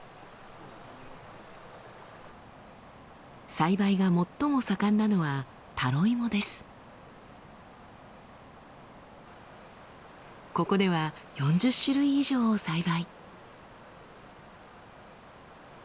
栽培が最も盛んなのはここでは４０種類以上を栽培。